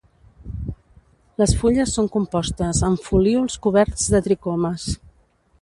Les fulles són compostes amb folíols coberts de tricomes.